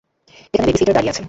এখানে বেবিসিটার দাঁড়িয়ে আছে।